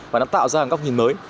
và nó tạo ra một góc nhìn mới